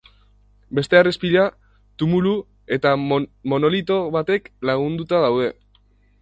Beste harrespila, tumulu eta monolito batek lagunduta daude.